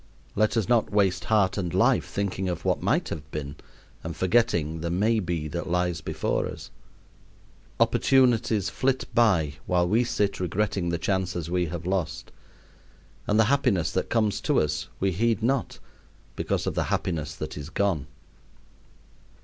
Let us not waste heart and life thinking of what might have been and forgetting the may be that lies before us. Opportunities flit by while we sit regretting the chances we have lost, and the happiness that comes to us we heed not, because of the happiness that is gone.